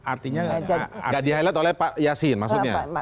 artinya gak di highlight oleh pak yassin maksudnya